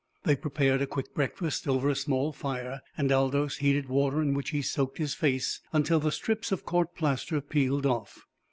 They prepared a quick breakfast over a small fire, and Aldous heated water in which he soaked his face until the strips of court plaster peeled off.